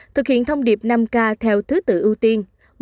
thực hiện thông điệp năm k theo thứ tự ưu tiên